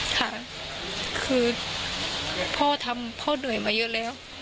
ค่ะคือพ่อทำพ่อเหนื่อยมาเยอะแล้ว